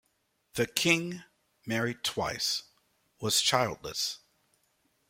The King, married twice, was childless.